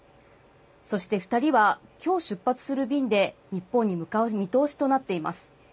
そして２人は、きょう出発する便で日本に向かう見通しとなっています。